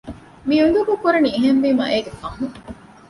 މި އުނދަގޫކުރަނީ އެހެންވީމާ އޭގެ ފަހުން